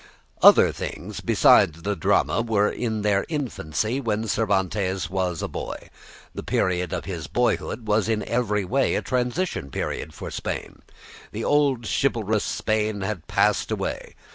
Other things besides the drama were in their infancy when Cervantes was a boy. The period of his boyhood was in every way a transition period for Spain. The old chivalrous Spain had passed away.